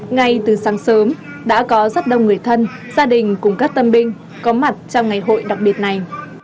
ngay từ sáng sớm đã có rất đông người thân gia đình cùng các tân binh có mặt trong ngày hội đặc biệt này